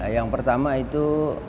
yang pertama itu